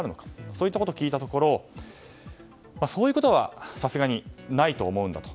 そういったことを聞いたところそういうことはさすがにないと思うと。